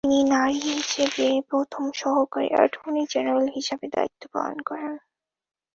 তিনি নারী হিসেবে প্রথম সহকারী অ্যাটর্নি জেনারেল হিসেবে দায়িত্ব পালন করেছেন।